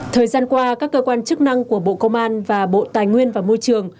thời gian qua các cơ quan chức năng của bộ công an và bộ tài nguyên và môi trường